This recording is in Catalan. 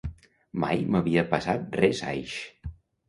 Mai m'havia passat res aix